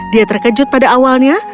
dia terkejut pada awalnya